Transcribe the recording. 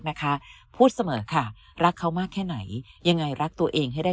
นะคะพูดเสมอค่ะรักเขามากแค่ไหนยังไงรักตัวเองให้ได้